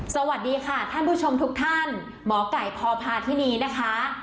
สวัสดีค่ะท่านผู้ชมทุกท่านหมอไก่พพาธินีนะคะ